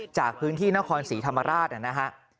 จากพื้นที่นครศรีธรรมราชนะฮะ